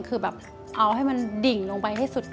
คือแบบเอาให้มันดิ่งลงไปให้สุด